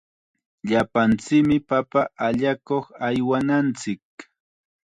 Llapanchikmi papa allakuq aywananchik.